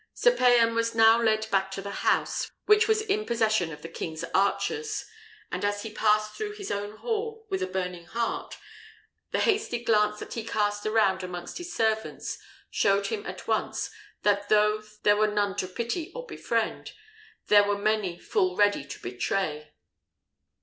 Sir Payan was now led back to the house, which was in possession of the king's archers; and as he passed through his own hall, with a burning heart, the hasty glance that he cast around amongst his servants showed him at once, that though there were none to pity or befriend, there were many full ready to betray.